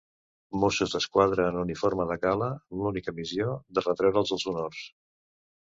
Mossos d'Esquadra en uniforme de gala amb l'única missió de retre'ls els honors.